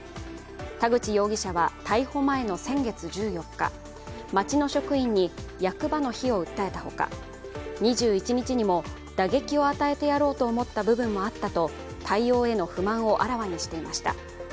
田口容疑者は逮捕前の先月１４日町の職員に役場の非を訴えたほか、２１日にも打撃を与えてやろうと思った部分もあったと対応への不満をあらわにしていました。